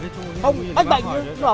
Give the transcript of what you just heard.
mang công an ra đây gọi mày lên